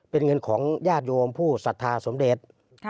เป็นเงินของญาติโยมผู้ศรัทธาสมเด็จ